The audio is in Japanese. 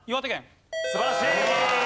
素晴らしい。